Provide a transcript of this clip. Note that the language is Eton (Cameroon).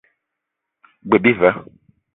G-beu bi va.